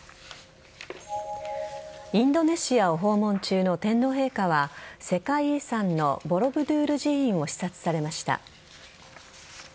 インドネシアを訪問中の天皇陛下は世界遺産のボロブドゥール寺院を視察されました。